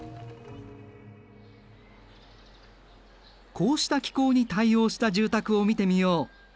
こうした気候に対応した住宅を見てみよう。